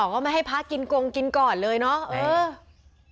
ก็ไม่ให้พระกินกงกินก่อนเลยเนาะ